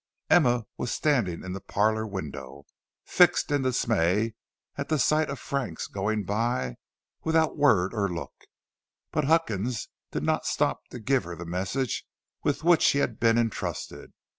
Emma was standing in the parlor window, fixed in dismay at the sight of Frank's going by without word or look; but Huckins did not stop to give her the message with which he had been entrusted.